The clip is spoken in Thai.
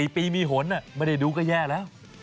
๔ปีมีหนไม่ได้ดูก็แย่แล้ว